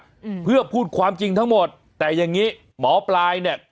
อืมเพื่อพูดความจริงทั้งหมดแต่อย่างงี้หมอปลายเนี้ย